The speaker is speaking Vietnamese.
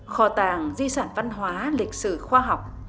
kho tàng di sản văn hóa lịch sử khoa học